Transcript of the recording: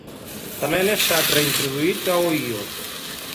També han estat reintroduïts a Ohio.